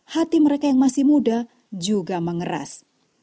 hati mereka yang masih muda juga mengeras